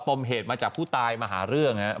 มเหตุมาจากผู้ตายมาหาเรื่อง